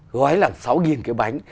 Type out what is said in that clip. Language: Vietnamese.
gói lẳng sáu cái bánh